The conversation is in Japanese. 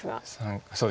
そうですね。